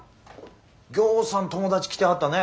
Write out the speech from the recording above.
ぎょうさん友達来てはったね。